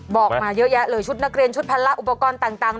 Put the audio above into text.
บอกมาเยอะแยะเลยชุดนักเรียนชุดพันละอุปกรณ์ต่าง